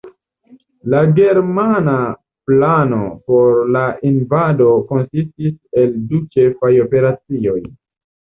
La germana plano por la invado konsistis el du ĉefaj operacioj.